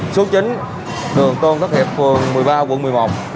số chín đường tôn tất hiệp vườn một mươi ba quận một mươi một